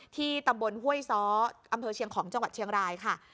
ที่ตำบลห้วยซ้ออำเภอเชียงของจังหวัดเชียงรายค่ะ